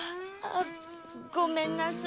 ごめんなさい。